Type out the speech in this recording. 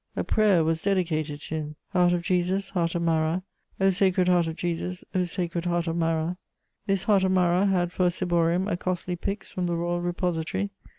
A prayer was dedicated to him: "Heart of Jesus, Heart of Marat; O Sacred Heart of Jesus, O Sacred Heart of Marat!" This heart of Marat had for a ciborium a costly pyx from the Royal Repository.